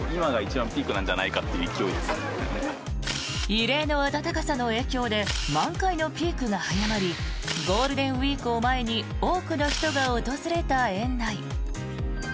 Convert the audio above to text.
異例の暖かさの影響で満開のピークが早まりゴールデンウィークを前に多くの人が訪れた園内。